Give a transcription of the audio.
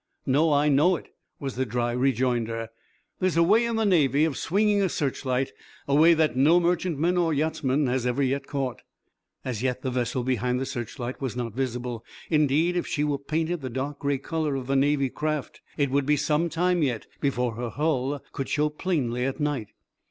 "No; I know it," was the dry rejoinder. "There's a way, in the Navy, of swinging a searchlight; a way that no merchantman or yachtsman has ever yet caught." As yet the vessel behind the searchlight was not visible. Indeed, if she were painted the dark gray color of the Navy craft, it would be some time yet before her hull could show plainly at night.